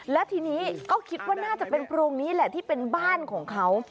และทีนี้ก็คิดว่าน่าจะเป็นโพรงนี้แหละที่เป็นบ้านของเขา